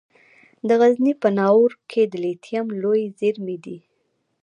د غزني په ناوور کې د لیتیم لویې زیرمې دي.